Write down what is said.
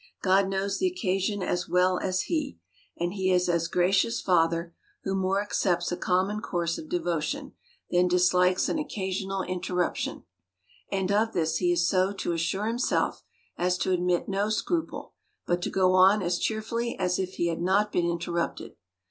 God knows the occasion as well as he ; and he is as a gracious father, who more accepts a common course of devotion, than dislikes an occasional interruption. And of this he is so to assure himself, as to admit no scruple, but to go on as cheerfully as if he had not been interrupted.